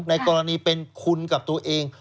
ในกรณีเป็นคุณกับตัวเอง